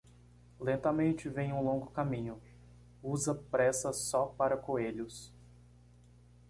Lentamente vem um longo caminho, usa pressa só para coelhos.